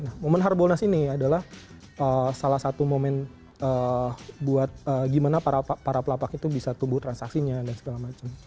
nah momen harbolnas ini adalah salah satu momen buat gimana para pelapak itu bisa tumbuh transaksinya dan segala macam